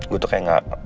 gue tuh kayak gak